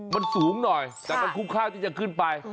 มันสูงหน่อยแต่มันคุ้มค่าที่จะขึ้นไป